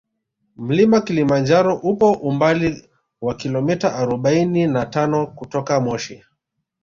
Mlima kilimanjaro upo umbali wa kilometa arobaini na tano kutoka moshi